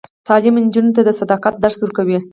تعلیم نجونو ته د صداقت درس ورکوي.